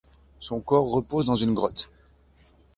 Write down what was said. Son corps repose dans une grotte.